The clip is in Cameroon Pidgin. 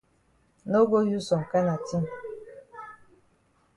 No go use some kana tin.